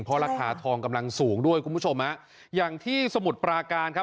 เพราะราคาทองกำลังสูงด้วยคุณผู้ชมฮะอย่างที่สมุทรปราการครับ